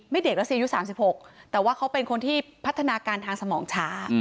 ไม่เด็กแล้วเสียอยู่๓๖แต่ว่าเขาเป็นคนที่พัฒนาการทางสมองช้า